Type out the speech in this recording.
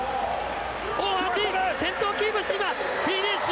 大橋、先頭をキープして今フィニッシュ！